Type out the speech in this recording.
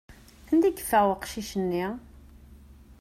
Anda i yeffeɣ weqcic-nni?